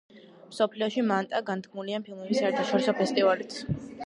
მსოფლიოში მანტა განთქმულია ფილმების საერთაშორისო ფესტივალით.